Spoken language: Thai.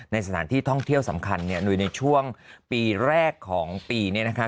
สถานที่ท่องเที่ยวสำคัญเนี่ยโดยในช่วงปีแรกของปีเนี่ยนะคะ